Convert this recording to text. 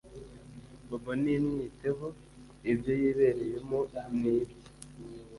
bobo ni mwiteho ibyo yibereyemo nibye